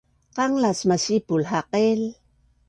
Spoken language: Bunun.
Qanglas masipul haqil